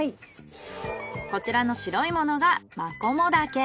こちらの白いものがマコモダケ。